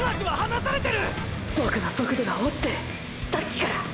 ボクの速度が落ちてるさっきから。